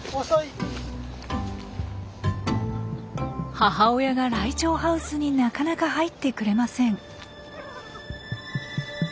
母親がライチョウハウスになかなか入ってくれません。